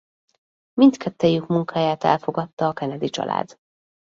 Mindkettejük munkáját elfogadta a Kennedy család.